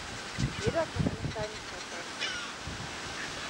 Jeder kann eine Kleinigkeit beisteuern.